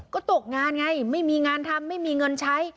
ก็ตกงานไงไม่มีงานทำไม่มีเงินใช้